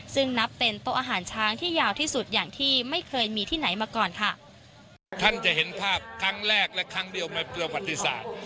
ซึ่งนับเป็นโต๊ะอาหารช้างที่ยาวที่สุดอย่างที่ไม่เคยมีที่ไหนมาก่อนค่ะท่านจะเห็นภาพครั้งแรกและครั้งเดียวในประวัติศาสตร์